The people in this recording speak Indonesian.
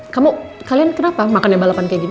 kamu kalian kenapa makannya balapan kayak gini